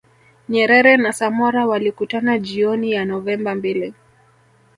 Nyerere na Samora walikutana jioni ya Novemba mbili